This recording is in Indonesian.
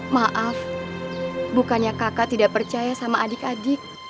maaf bukannya kakak tidak percaya sama adik adik